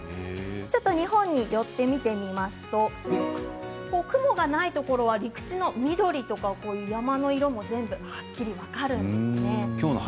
ちょっと日本に寄って見てみますと雲がないところは陸地の緑とか山の色も全部はっきり分かるんですね。